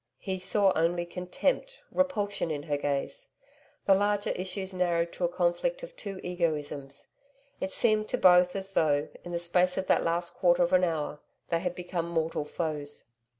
He saw only contempt, repulsion in her gaze. The larger issues narrowed to a conflict of two egoisms. It seemed to both as though, in the space of that last quarter of an hour, they had become mortal foes.